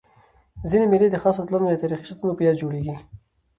ځيني مېلې د خاصو اتلانو یا تاریخي شخصیتونو په یاد جوړيږي.